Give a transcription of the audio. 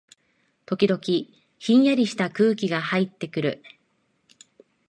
時々、ひんやりした空気がはいってくる